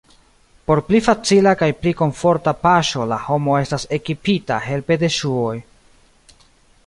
Por pli facila kaj pli komforta paŝo la homo estas ekipita helpe de ŝuoj.